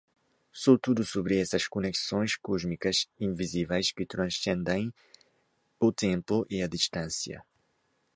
Sou tudo sobre essas conexões cósmicas invisíveis que transcendem o tempo e a distância.